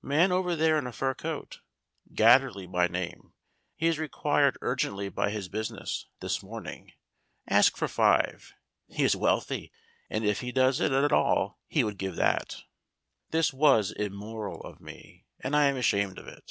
"Man over there in a fur coat, Gatterley by name, he is required urgently by his busi THE BLANKING BUSINESS 195 ness this morning. Ask for five. He is wealthy, and if he does it at all he would give that." This was immoral of me, and I am ashamed of it.